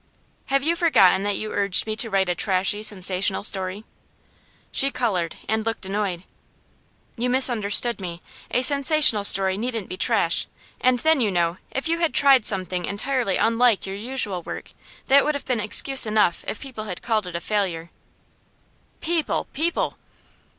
'Have you forgotten that you urged me to write a trashy sensational story?' She coloured and looked annoyed. 'You misunderstood me. A sensational story needn't be trash. And then, you know, if you had tried something entirely unlike your usual work, that would have been excuse enough if people had called it a failure.' 'People! People!